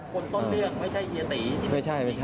คนต้นเรื่องไม่ใช่เฮียตี